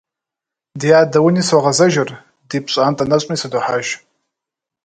Ди адэ уни согъэзэжыр, ди пщӀантӀэ нэщӀми сыдохьэж.